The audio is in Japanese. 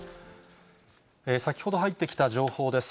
先ほど入ってきた情報です。